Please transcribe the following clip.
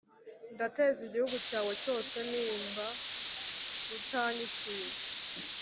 ndateza igihugu cyawe cyose nimba utanyishyuye